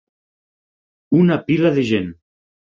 Una pila de gent.